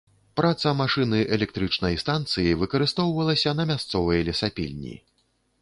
Праца машыны электрычнай станцыі выкарыстоўвалася на мясцовай лесапільні.